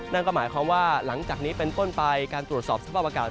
นั่นก็หมายความว่าหลังจากนี้เป็นต้นไปการตรวจสอบสภาพอากาศ